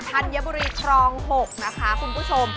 ธัญบุรีครอง๖นะคะคุณผู้ชม